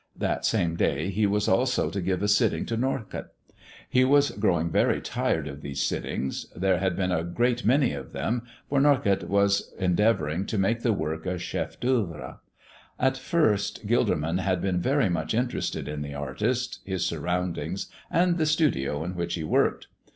That same day he was also to give a sitting to Norcott. He was growing very tired of these sittings. There had been a great many of them, for Norcott was endeavoring to make the work a chef d'oeuvre. At first Gilderman had been very much interested in the artist, his surroundings, and the studio in which he worked.